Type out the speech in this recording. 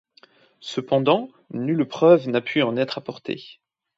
Cependant, nulle preuve n'a pu en être apportée.